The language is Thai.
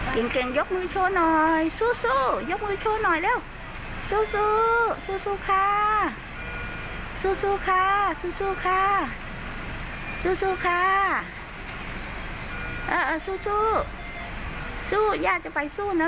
เทมนะคะ